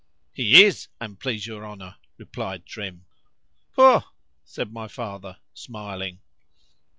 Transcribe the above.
He is, an' please your Honour, replied Trim. Pugh! said my father, smiling.